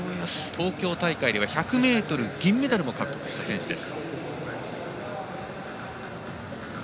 東京大会では１００ｍ銀メダルを獲得した選手です。